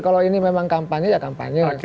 kalau ini memang kampanye ya kampanye kampanye